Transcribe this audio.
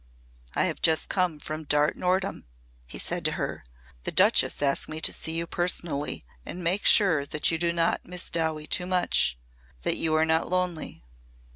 "I have just come from Darte Norham," he said to her. "The Duchess asked me to see you personally and make sure that you do not miss Dowie too much that you are not lonely."